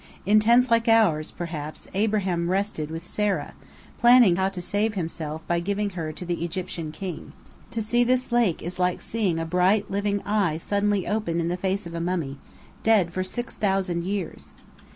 In tents like ours, perhaps, Abraham rested with Sarah, planning how to save himself by giving her to the Egyptian king. To see this lake is like seeing a bright, living eye suddenly open in the face of a mummy, dead for six thousand years!